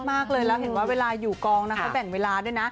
มากเลยแล้วเห็นว่าเวลาอยู่กองนะเขาแบ่งเวลาด้วยนะ